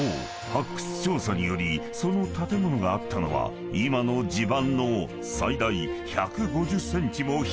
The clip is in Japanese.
発掘調査によりその建物があったのは今の地盤の］